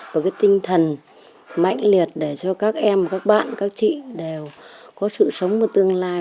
và cái tinh thần mạnh liệt để cho các em các bạn các chị đều có sự sống một tương lai